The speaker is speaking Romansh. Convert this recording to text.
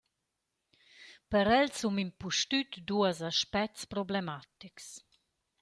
Per el sun impustüt duos aspets problematics.